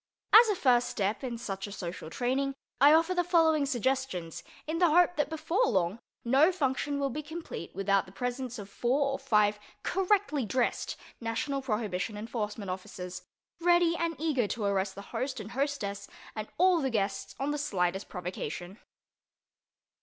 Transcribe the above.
As a first step in such a social training I offer the following suggestions, in the hope that before long no function will be complete without the presence of four or five correctly dressed National Prohibition Enforcement Officers, ready and eager to arrest the host and hostess and all the guests on the slightest provocation.